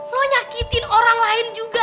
lo nyakitin orang lain juga